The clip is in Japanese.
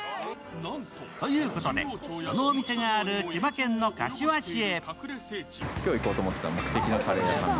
ということでそのお店がある千葉県の柏市へ。